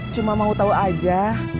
cuma mau tau aja